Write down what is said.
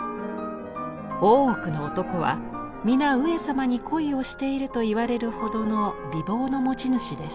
大奥の男は皆上様に恋をしていると言われるほどの美貌の持ち主です。